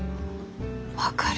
分かる。